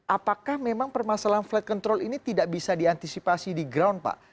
apakah memang permasalahan flight control ini tidak bisa diantisipasi di ground pak